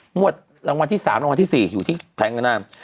งวดรางวัลที่๓รางวัลที่๔อยู่ที่ไทยอนาม